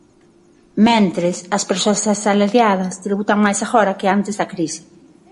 Mentres, as persoas asalariadas tributan máis agora que antes da crise.